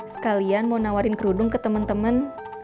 sekalian mau nawarin kerudung ke teman teman